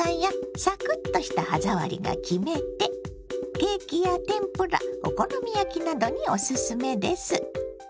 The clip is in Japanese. ケーキや天ぷらお好み焼きなどにおすすめです。